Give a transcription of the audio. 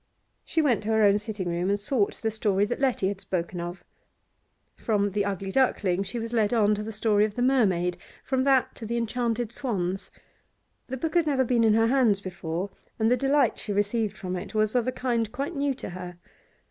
She went to her own sitting room and sought the story that Letty had spoken of. From 'The Ugly Duckling' she was led on to the story of the mermaid, from that to the enchanted swans. The book had never been in her hands before, and the delight she received from it was of a kind quite new to her.